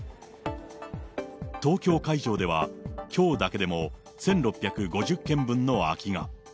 東京会場では、きょうだけでも１６５０件分の空きが。